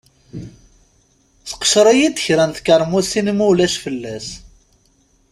Seqcer-iyi-d kra n tkeṛmusin ma ulac fell-as.